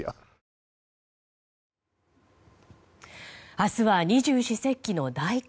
明日は二十四節気の大寒。